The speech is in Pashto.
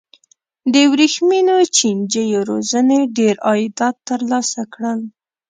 د ورېښمو چینجیو روزنې ډېر عایدات ترلاسه کړل.